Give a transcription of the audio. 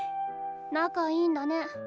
仲いいんだね。